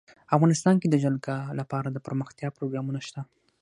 افغانستان کې د جلګه لپاره دپرمختیا پروګرامونه شته.